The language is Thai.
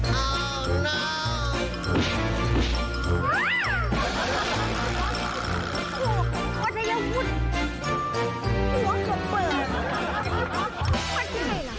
โอ้โฮวันทยาวุฒิหัวเข้าเปิด